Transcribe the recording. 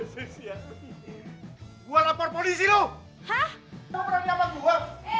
hai malam gua lapor polisi lu hah berani apa gua